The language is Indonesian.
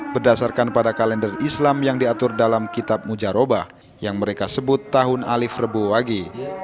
berdasarkan pada kalender islam yang diatur dalam kitab mujarobah yang mereka sebut tahun alif rebowagi